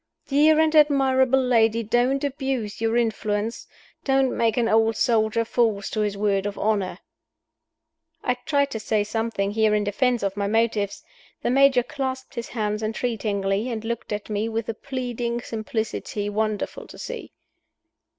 Dear and admirable lady, don't abuse your influence! don't make an old soldier false to his word of honor!" I tried to say something here in defense of my motives. The Major clasped his hands entreatingly, and looked at me with a pleading simplicity wonderful to see.